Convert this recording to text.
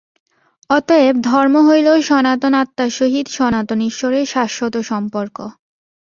অতএব ধর্ম হইল সনাতন আত্মার সহিত সনাতন ঈশ্বরের শাশ্বত সম্পর্ক।